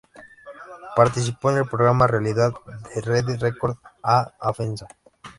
Participó en el programa realidad de Rede Record, A Fazenda.